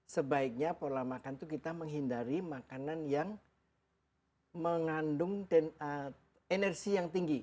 sebaiknya pola makan itu kita menghindari makanan yang mengandung energi yang tinggi